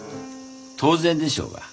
当然でしょうが。